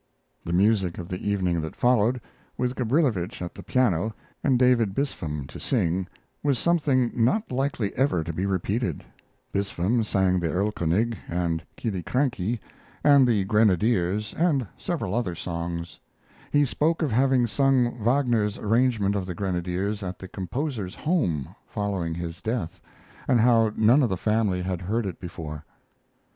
The music of the evening that followed, with Gabrilowitsch at the piano and David Bispham to sing, was something not likely ever to be repeated. Bispham sang the "Erlkonig" and "Killiecrankie" and the "Grenadiers" and several other songs. He spoke of having sung Wagner's arrangement of the "Grenadiers" at the composer's home following his death, and how none of the family had heard it before.